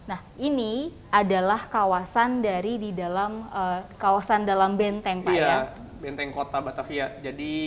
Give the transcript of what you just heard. nah ini adalah kawasan dari di dalam kawasan dalam benteng pak ya benteng kota batavia